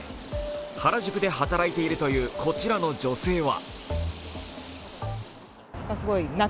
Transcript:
原宿で働いているというこちらの女性は。